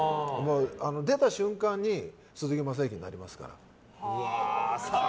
出た瞬間に鈴木雅之になりますから。